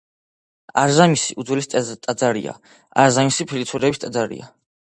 არზამასის უძველესი ტაძარია არზამასის ფერისცვალების ტაძარი.